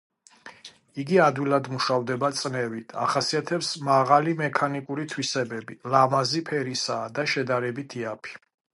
იგი ადვილად მუშავდება წნევით, ახასიათებს მაღალი მექანიკური თვისებები, ლამაზი ფერისაა და შედარებით იაფია.